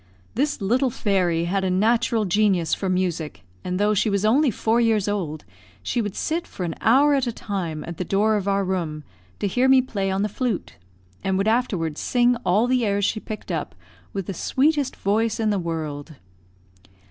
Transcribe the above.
This little fairy had a natural genius for music, and though she was only four years old, she would sit for an hour at a time at the door of our room to hear me play on the flute, and would afterwards sing all the airs she picked up, with the sweetest voice in the world.